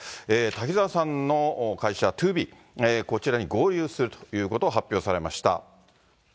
滝沢さんの会社、ＴＯＢＥ、こちらに合流するということを発表されました。